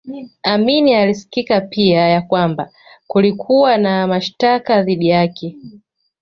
Amin alisikia pia ya kwamba kulikuwa na mashtaka dhidi yake